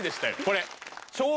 これ。